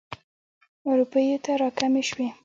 روپیو ته را کمې شوې.